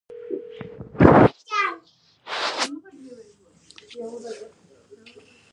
ازادي راډیو د د انتخاباتو بهیر په اړه تفصیلي راپور چمتو کړی.